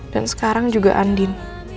dan sekarang juga andin